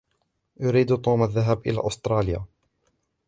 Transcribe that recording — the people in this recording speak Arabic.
يريد توم الذهاب إلى أستراليا.